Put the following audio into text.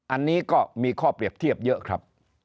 อันนี้ก็มีข้อเปรียบเทียบเยอะครับ